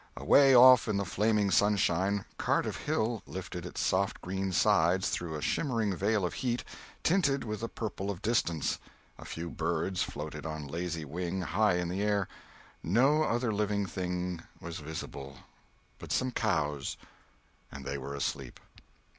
Away off in the flaming sunshine, Cardiff Hill lifted its soft green sides through a shimmering veil of heat, tinted with the purple of distance; a few birds floated on lazy wing high in the air; no other living thing was visible but some cows, and they were asleep.